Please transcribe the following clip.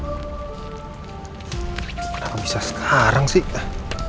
bagaimana bisa sekarang sih